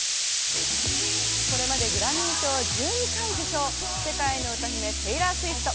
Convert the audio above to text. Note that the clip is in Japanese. これまでグラミー賞を１２回受賞、世界の歌姫テイラー・スウィフト。